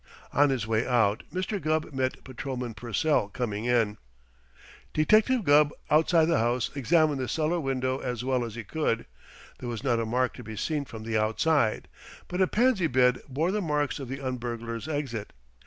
On his way out Mr. Gubb met Patrolman Purcell coming in. [Illustration: "WHO SENT YOU HERE, ANYWAY?"] Detective Gubb, outside the house, examined the cellar window as well as he could. There was not a mark to be seen from the outside, but a pansy bed bore the marks of the un burglar's exit.